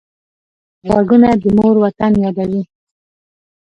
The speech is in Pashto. غوږونه د مور وطن یادوي